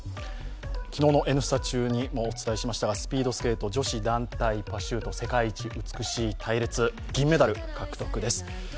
昨日の「Ｎスタ」中にもお伝えしましたが、スピードスケート女子団体パシュート、世界一美しい隊列、銀メダル獲得です。